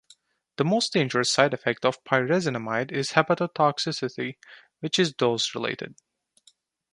The most dangerous side effect of pyrazinamide is hepatotoxicity, which is dose related.